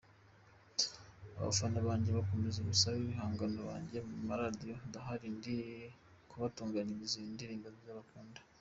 Abafana banjye bakomeze basabe ibihangano byanjye ku maradiyo ndahari ndi kubatunganyiriza indirimbo nziza bazakunda.